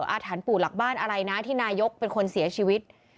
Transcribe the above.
อาถรรพ์ปู่หลักบ้านอะไรนะที่นายกเป็นคนเสียชีวิต